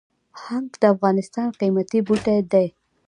هنګ د افغانستان قیمتي بوټی دی